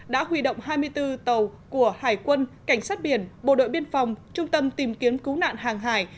đã huy động hai mươi bốn tàu của hải quân cảnh sát biển bộ đội biên phòng trung tâm tìm kiếm cứu nạn hàng hải